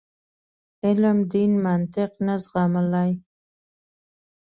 علم دین منطق نه زغملای.